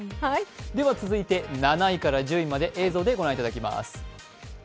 続いて７位から１０位まで映像でご覧いただきます。